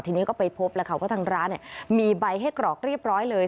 ทีนี้ก็ไปพบแล้วค่ะว่าทางร้านมีใบให้กรอกเรียบร้อยเลย